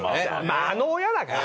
まああの親だから。